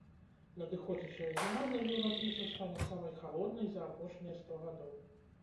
Надыходзячая зіма для еўрапейцаў стане самай халоднай за апошнія сто гадоў.